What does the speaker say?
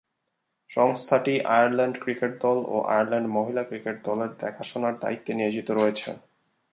সংস্থাটি Ireland cricket দল ও আয়ারল্যান্ড মহিলা ক্রিকেট দলের দেখাশোনার দায়িত্বে নিয়োজিত রয়েছে।